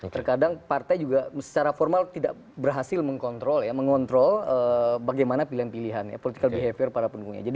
terkadang partai juga secara formal tidak berhasil mengontrol ya mengontrol bagaimana pilihan pilihan ya political behavior para pendukungnya